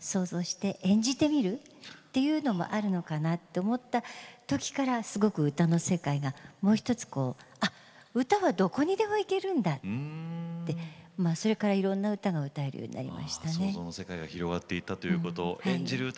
想像して、演じてみるというのもあるのかなと思ったときからすごく歌の世界がもう１つ歌はどこにでも行けるんだそれから、いろんな歌が歌えるようになりました。